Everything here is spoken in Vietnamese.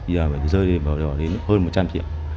giờ phải rơi vào đến hơn một trăm linh triệu